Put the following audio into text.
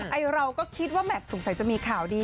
ไอเราก็คิดว่าแมทสงสัยจะมีข่าวดี